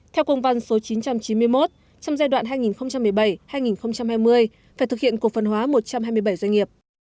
theo công văn số chín trăm chín mươi một trong giai đoạn hai nghìn một mươi bảy hai nghìn hai mươi phải thực hiện cổ phần hóa một trăm hai mươi bảy doanh nghiệp